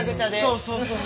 そうそうそう。